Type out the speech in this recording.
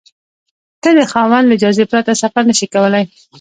ته د خاوند له اجازې پرته سفر نشې کولای.